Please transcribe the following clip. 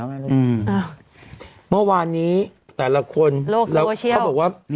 อืมเมื่อวานนี้หลายละคนโลกโซเชียลเขาบอกว่า